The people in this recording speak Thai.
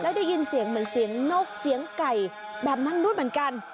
ได้ยินเสียงเหมือนเสียงนกเสียงไก่แบบนั้นด้วยเหมือนกัน